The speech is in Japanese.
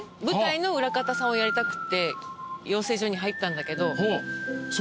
舞台の裏方さんをやりたくて養成所に入ったんだけど。